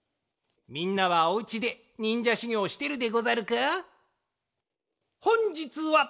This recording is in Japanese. みんなはおうちでにんじゃしゅぎょうしてるでござるか？